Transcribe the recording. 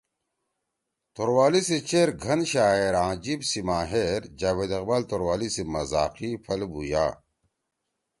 توروالی سی چیر گھن شاعر آں جیِب سی ماہر جاوید اقبال توروالی سی مزاقی پھل بُھوژا!